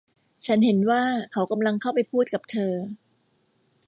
ฉันเห็นว่าเขากำลังเข้าไปพูดกับเธอ